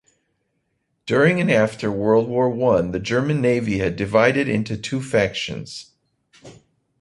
During and after World War One the German navy had divided into two factions.